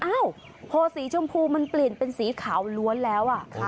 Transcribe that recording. โพสีชมพูมันเปลี่ยนเป็นสีขาวล้วนแล้ว